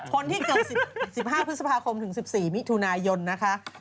คนที่เกิด๑๕พฤษภาคมถึง๑๔มิถุนายนนะคะ